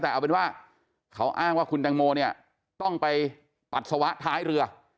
แต่เอาเป็นว่าเขาอ้างว่าคุณแตงโมเนี่ยต้องไปปัสสาวะท้ายเรือ